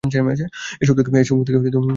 এসব থেকে মুক্ত হয়ে কেমন লাগে?